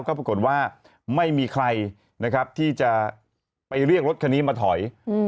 ก็ปรากฏว่าไม่มีใครนะครับที่จะไปเรียกรถคันนี้มาถอย